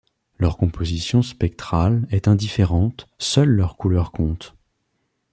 Leur composition spectrale est indifférente, seule leur couleur compte.